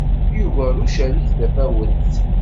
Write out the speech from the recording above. Yugar ucerrig tafawet.